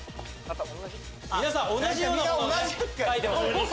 皆さん同じようなものを描いてます。